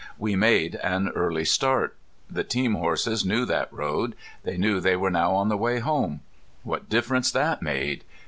We made an early start. The team horses knew that road. They knew they were now on the way home. What difference that made!